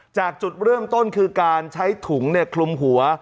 จากจุดเริ่มต้นคือการใช้ถุงคลุมหัว